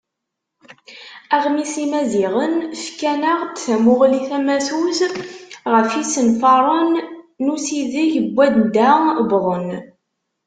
Aɣmis n Yimaziɣen: Efk-aneɣ-d tamuɣli tamatut ɣef yisenfaren n usideg d wanda wwḍen?